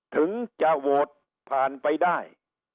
ถึงจะโหวตผ่านไปได้